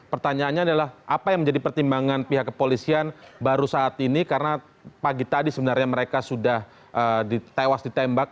pertanyaannya adalah apa yang menjadi pertimbangan pihak kepolisian baru saat ini karena pagi tadi sebenarnya mereka sudah ditewas ditembak